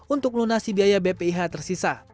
untuk melunasi biaya bpih tersisa